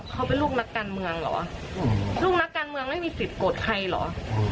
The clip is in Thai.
เขาเป็นลูกนักการเมืองเหรอลูกนักการเมืองไม่มีสิทธิโกรธใครเหรอ